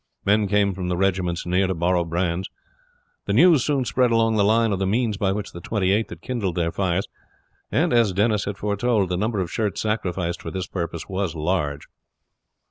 Men came from the regiments near to borrow brands. The news soon spread along the line of the means by which the Twenty eighth had kindled their fires and, as Denis had foretold, the number of shirts sacrificed for this purpose was large.